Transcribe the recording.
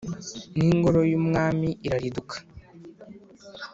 n’ingoro y’Umwami irariduka